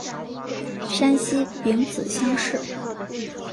山西丙子乡试。